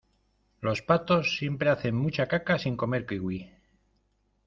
los patos siempre hacen mucha caca sin comer kiwi.